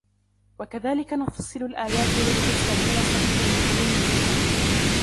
وكذلك نفصل الآيات ولتستبين سبيل المجرمين